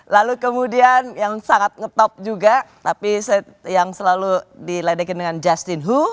lalu kemudian yang sangat ngetop juga tapi yang selalu diledekin dengan justin hu